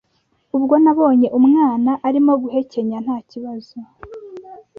ubwo nabonye umwana arimo guhekenya ntakibazo